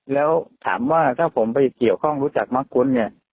แล้วถามว่าถ้าผมไปเกี่ยวข้องรู้จักมักกุ้นเนี่ย